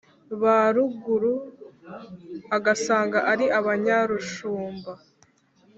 ba ruguru: agasanga ari abanyarushumba,